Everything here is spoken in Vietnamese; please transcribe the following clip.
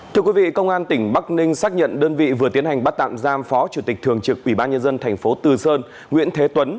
thưa quý vị công an tỉnh bắc ninh xác nhận đơn vị vừa tiến hành bắt tạm giam phó chủ tịch thường trực ubnd tp từ sơn nguyễn thế tuấn